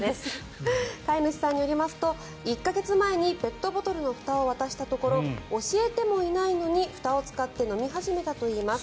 飼い主さんによりますと１か月前にペットボトルのふたを渡したところ教えてもいないのにふたを使って飲み始めたといいます。